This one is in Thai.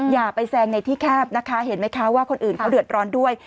อย่าไปแซงในที่แคบนะคะเห็นไหมคะว่าคนอื่นเขาเดือดร้อนด้วย